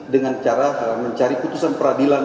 dengan cara mencari putusan peradilan